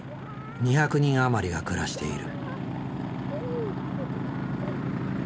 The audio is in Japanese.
２００人余りが暮らしている。